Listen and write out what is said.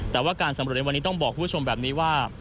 แต่ว่าการสำรวจในวันนี้ต้องบอกคุณผู้ชมแบบนี้ว่า